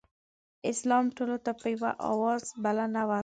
اسلام ټولو ته په یوه اواز بلنه ورکړه.